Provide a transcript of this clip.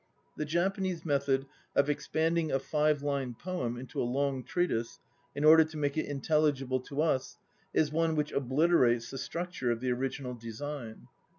The Japanese method of expanding a five line poem into a long treatise in order to make it intelligible to us is one which obliterates the structure of the original design.